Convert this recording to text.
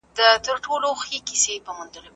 د ټولنې دودونو ته بايد په سياست کي درناوی وسي.